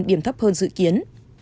điểm thấp hơn dự kiến